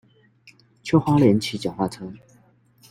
去花蓮騎腳踏車